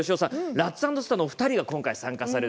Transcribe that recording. ラッツ＆スターのお二人が参加される。